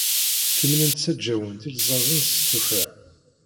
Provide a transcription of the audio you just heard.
Kemmlent ssaǧawent ilzazen s tuffra.